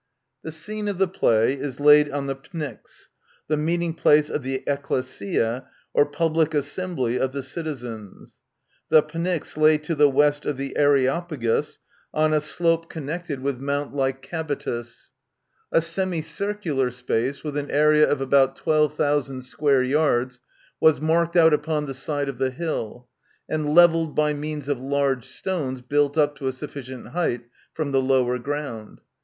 The scene of the play is laid on the Pnyx, the meeting place of the " ecclesia," or public assembly of the citizens. The " Pnyx " lay to the west of the Areiopagus, on a slope connected Introduction. ■ with Mount Lycabettus. A semicircular space, with an area of about twelve thousand square yards, was marked out upon the side of the hill, and levelled by means of large stones built up to a sufficient height from the lower ground.